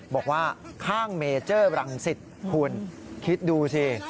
บอกว่าข้างเมเจอร์รังสิตคุณคิดดูสิ